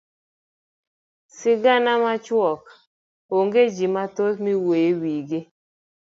sigana machuok onge jii mathoth miwuyo ewigi.